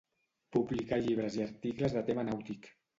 Publicà llibres i articles de tema nàutic.